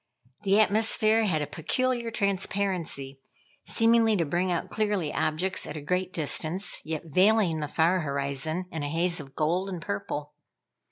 The atmosphere had a peculiar transparency, seemingly to bring out clearly objects at a great distance, yet veiling the far horizon in a haze of gold and purple.